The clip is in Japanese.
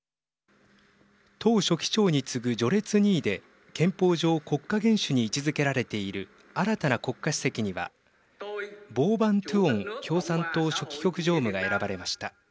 党書記長に次ぐ序列２位で憲法上国家元首に位置づけられている新たな国家主席にはボー・バン・トゥオン共産党書記局常務が選ばれました。